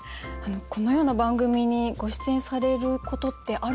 このような番組にご出演されることってあるんですか？